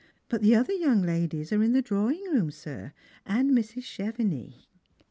But the otheryoung ladiea are in the drawing room, sir, and Mrs. Cheveuix."